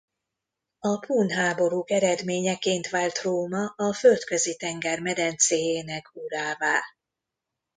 A pun háborúk eredményeként vált Róma a Földközi-tenger medencéjének urává.